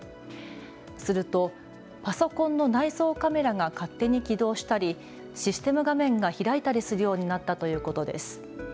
するとパソコンの内蔵カメラが勝手に起動したりシステム画面が開いたりするようになったということです。